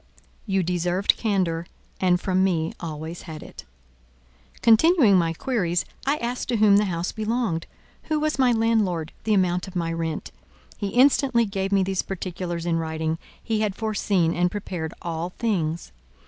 You deserved candour, and from me always had it. Continuing my queries, I asked to whom the house belonged, who was my landlord, the amount of my rent. He instantly gave me these particulars in writing; he had foreseen and prepared all things.